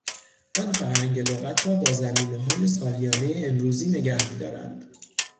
آن فرهنگ لغت را با ضمیمههای سالیانه امروزی نگه میدارند.